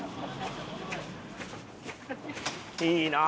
いいなあ。